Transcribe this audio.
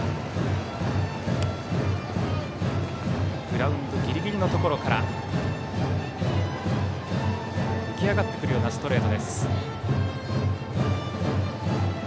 グラウンドギリギリのところから浮き上がってくるようなストレートです。